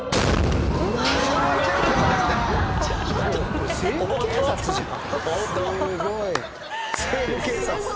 もう『西部警察』じゃん。